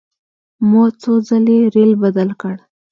مو څو ځلې ریل بدل کړ.